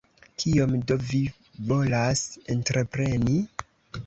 Kion do vi volas entrepreni?